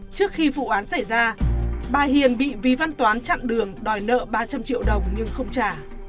trước khi vụ án xảy ra bà hiền bị ví văn toán chặn đường đòi nợ ba trăm linh triệu đồng nhưng không trả